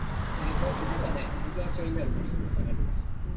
そうすれば依存症になるリスクは下がります。